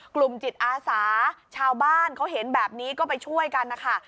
กลุ่มจิตอาสาชาวบ้านเขาเห็นแบบนี้ก็ไปช่วยกันนะคะ